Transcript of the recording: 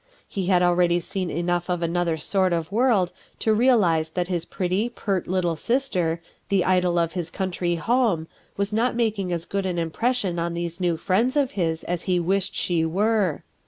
He had already seen enough of another sort of world to realize that his pretty, pert little sister, the idol of his country home, was not making as good an impression on these new friends of his as he wished she were.